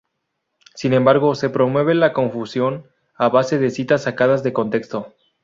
Sin embargo, se promueve la confusión a base de citas sacadas de contexto.